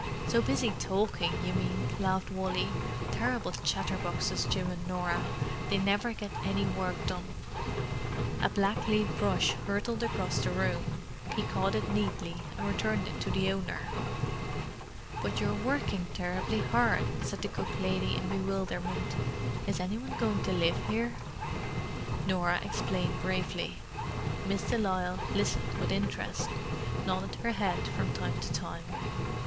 "So busy talking, you mean," laughed Wally. "Terrible chatterboxes, Jim and Norah; they never get any work done." A blacklead brush hurtled across the room: he caught it neatly and returned it to the owner. "But you're working terribly hard," said the cook lady, in bewilderment. "Is any one going to live here?" Norah explained briefly. Miss de Lisle listened with interest, nodding her head from time to time.